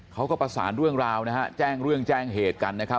เขาก็ประสานเรื่องราวนะฮะแจ้งเรื่องแจ้งเหตุกันนะครับ